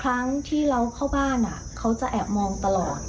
เพราะว่าทุกครั้งที่เราเข้าบ้านเขาจะแอบมองตลอด